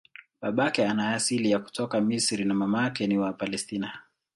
Babake ana asili ya kutoka Misri na mamake ni wa Palestina.